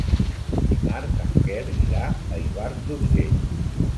Dimarts en Quer irà a Ivars d'Urgell.